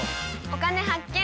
「お金発見」。